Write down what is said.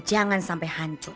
jangan sampai hancur